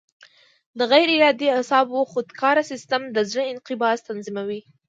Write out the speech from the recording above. د غیر ارادي اعصابو خودکاره سیستم د زړه انقباض تنظیموي.